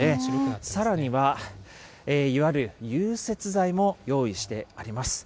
さらには、いわゆる融雪剤も用意してあります。